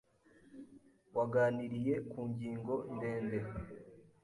waganiriye ku ngingo ndende.